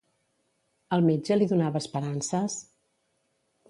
El metge li donava esperances?